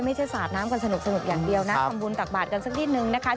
สาดน้ำกันสนุกอย่างเดียวนะทำบุญตักบาทกันสักนิดนึงนะคะ